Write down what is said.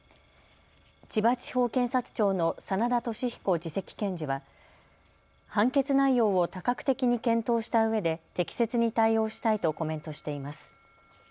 千葉地方検察庁の眞田寿彦次席検事は判決内容を多角的に検討したうえで適切に対応したいとコメントしています。